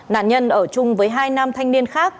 nạn nhân ở chung với hai nam thanh niên khác